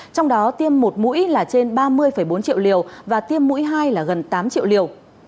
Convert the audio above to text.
trong đó tiêm một mũi là trên ba mươi bốn triệu liều và tiêm mũi hai là gần tám triệu liều